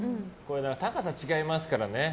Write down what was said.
高さが違いますからね。